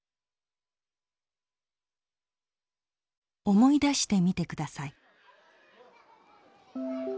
思い出してみてください。